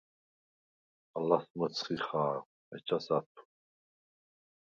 ალას მჷცხი ხა̄რ, ეჩას – ა̈თუ.